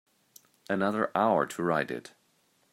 Another hour to write it.